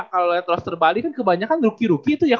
kalau terus terbalik kan kebanyakan ruki ruki itu ya